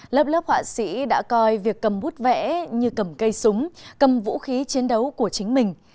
lớp lớp họa sĩ đã coi việc cầm bút vẽ như cầm cây súng cầm vũ khí chiến đấu của chính mình